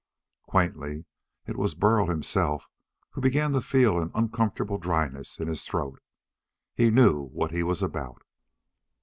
Quaintly, it was Burl himself who began to feel an uncomfortable dryness in his throat. He knew what he was about.